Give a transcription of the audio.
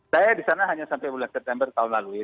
saya di sana hanya sampai bulan september tahun lalu ya